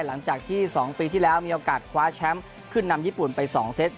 หลังจากที่๒ปีที่แล้วมีโอกาสคว้าแชมป์ขึ้นนำญี่ปุ่นไป๒เซต